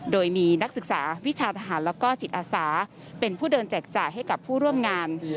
โดยมีนักศึกษาวิชาทหารแล้วก็จิตอาสาเป็นผู้เดินแจกจ่ายให้กับผู้ร่วมงาน